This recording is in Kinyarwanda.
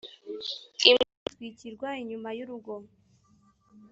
imbwa zitwikirwa inyuma y urugo